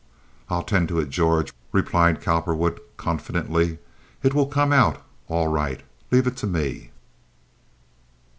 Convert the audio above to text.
"I'll tend to it, George," replied Cowperwood, confidently. "It will come out all right. Leave it to me."